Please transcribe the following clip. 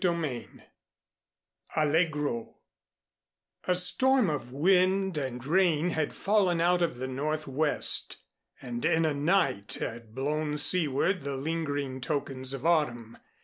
VII ALLEGRO A storm of wind and rain had fallen out of the Northwest, and in a night had blown seaward the lingering tokens of Autumn.